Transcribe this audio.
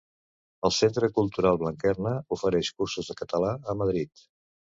El Centre Cultural Blanquerna ofereix cursos de català a Madrid.